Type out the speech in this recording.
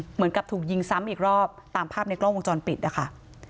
เหมือนกับถูกยิงซ้ำอีกรอบตามภาพในกล้องวงจรปิดนะคะ